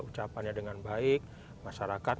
ucapannya dengan baik masyarakat